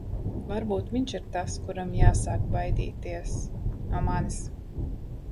Varbūt viņš ir tas, kuram jāsāk baidīties... no manis.